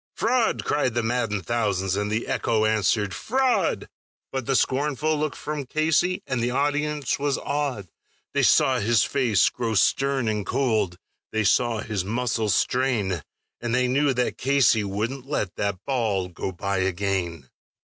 "Fraud!" cried the maddened thousands, and the echo answered, "Fraud!" But the scornful look from Casey, and the audience was awed; They saw his face grow stern and cold, they saw his muscles strain, And they knew that Casey wouldn't let that ball go by again.